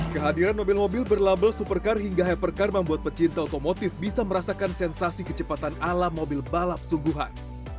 kehadiran mobil mobil berlabel supercar hingga hypercar membuat pecinta otomotif bisa merasakan sensasi kecepatan ala mobil balap sungguhan